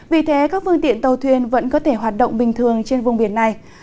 vì thế các phương tiện tàu thuyền vẫn có thể hoạt động bình thường trên vùng biển này